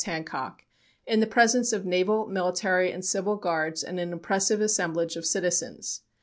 Hancock), in the presence of naval, military and civil guards and an impressive assemblage of citizens.